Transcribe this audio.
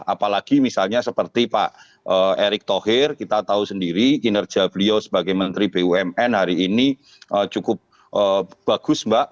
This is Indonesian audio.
apalagi misalnya seperti pak erick thohir kita tahu sendiri kinerja beliau sebagai menteri bumn hari ini cukup bagus mbak